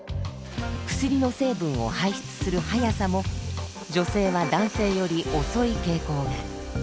薬の成分を排出する速さも女性は男性より遅い傾向が。